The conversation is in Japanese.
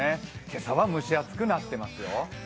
今朝は蒸し暑くなっていますよ。